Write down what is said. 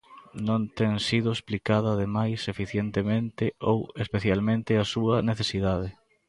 Non ten sido explicada, ademais, eficientemente ou especialmente a súa necesidade.